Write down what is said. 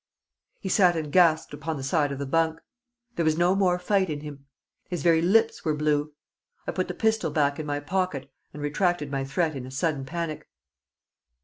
He sat and gasped upon the side of the bunk. There was no more fight in him. His very lips were blue. I put the pistol back in my pocket, and retracted my threat in a sudden panic.